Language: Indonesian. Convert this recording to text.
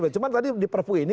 cuman tadi diperpuk ini